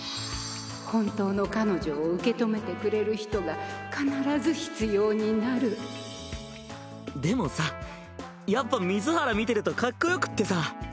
本当の彼女を受け止めてくれる人が必ず必要になるでもさやっぱ水原見てるとかっこよくってさ。